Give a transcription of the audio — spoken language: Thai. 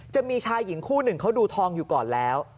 จะมีชายหญิงคู่หนึ่งเขาดูทองอยู่ก่อนแล้ว